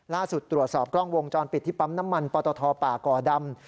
ล่าสุดตรวจสอบกล้องวงจรปิดที่ปั๊มน้ำมันปตทป่าก่อดำ